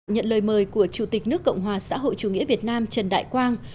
nhận lời mời của chủ tịch nước cộng hòa xã hội chủ nghĩa việt nam trần đại quang